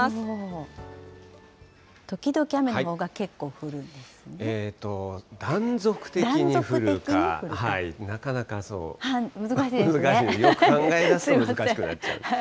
時々雨のほうが結構降るんで断続的に降るか、難しい、よく考えだすと難しくなっちゃう。